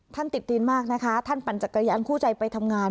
ติดดินมากนะคะท่านปั่นจักรยานคู่ใจไปทำงาน